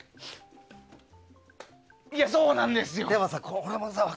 そうなんですよ。